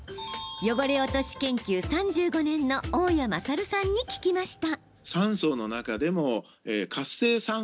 汚れ落とし研究３５年の大矢勝さんに聞きました。